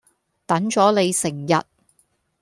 等咗你成日